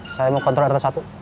saya mau kontrol antara satu